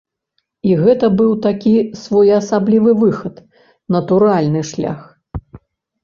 І гэта быў такі своеасаблівы выхад, натуральны шлях.